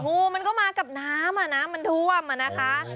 งูมันก็มากับน้ำอ่ะน้ำมันท่วมอะนะคะ